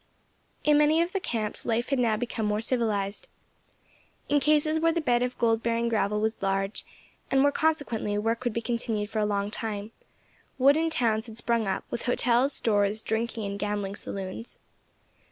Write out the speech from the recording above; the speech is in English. In many of the camps life had now become more civilised. In cases where the bed of gold bearing gravel was large, and where, consequently, work would be continued for a long time, wooden towns had sprung up, with hotels, stores, drinking and gambling saloons.